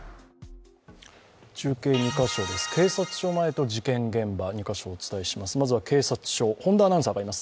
中継２か所です、警察署前と事件現場、２か所お伝えします。